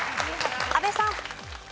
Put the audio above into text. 阿部さん。